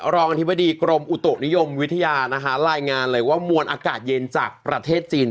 รองอธิบดีกรมอุตุนิยมวิทยานะคะรายงานเลยว่ามวลอากาศเย็นจากประเทศจีน